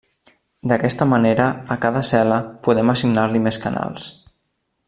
D'aquesta manera a cada cel·la podem assignar-li més canals.